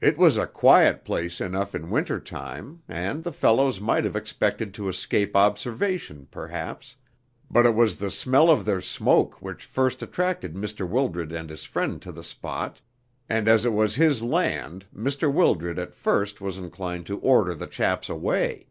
"It was a quiet place enough in winter time, and the fellows might have expected to escape observation, perhaps, but it was the smell of their smoke which first attracted Mr. Wildred and his friend to the spot, and as it was his land Mr. Wildred at first was inclined to order the chaps away.